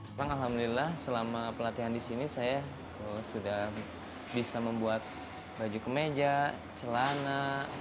sekarang alhamdulillah selama pelatihan di sini saya sudah bisa membuat baju kemeja celana